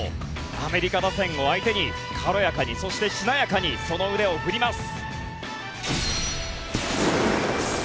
アメリカ打線を相手に軽やかに、そしてしなやかにその腕を振ります。